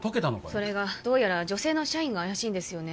それがどうやら女性の社員が怪しいんですよね